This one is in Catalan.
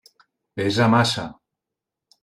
Pesa massa.